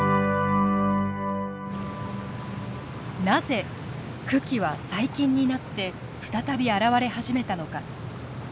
なぜ群来は最近になって再び現れ始めたのか？